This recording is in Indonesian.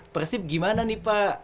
persib gimana nih pak